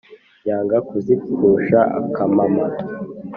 Yanga kuzipfusha akamama;